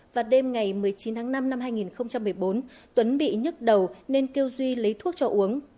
và đêm ngày một mươi chín tháng năm năm hai nghìn một mươi bốn tuấn bị nhức đầu nên kêu duy lấy thuốc cho uống